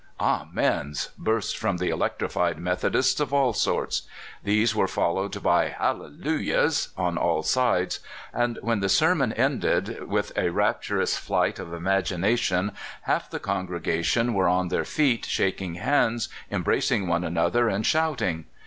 "Aniens" burst from the electrified Meth odists of all sorts; these were followed by ''hal lelujahs " on all sides; and when the sermon end ed with a rapturous flight of imagination half the congregation were on their feet, shaking hands, embracing one another, and shouting.